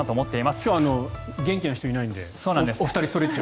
今日元気な人がいないのでお二人、ストレッチを。